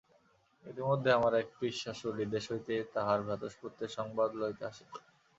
ইতিমধ্যে আমার এক পিসশাশুড়ি দেশ হইতে তাঁহার ভ্রাতুষ্পুত্রের সংবাদ লইতে আসিলেন।